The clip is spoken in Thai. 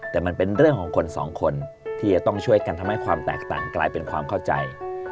แต่มันเป็นเรื่องของคนสองคนที่จะต้องช่วยกันทำให้ความแตกต่างกลายเป็นความเข้าใจ